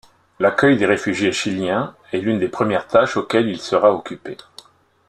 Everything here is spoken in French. L'accueil des réfugiés chiliens est l'une des premières tâches auxquelles il sera occupé.